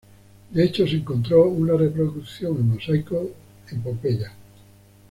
De hecho, se encontró una reproducción en mosaico en Pompeya.